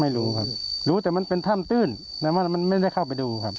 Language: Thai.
ไม่รู้ครับรู้แต่มันเป็นถ้ำตื้นแต่ว่ามันไม่ได้เข้าไปดูครับ